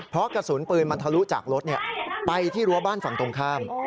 เพราะกระสุนปืนมันทะลุจากรถไปที่รั้วบ้านฝั่งตรงข้าม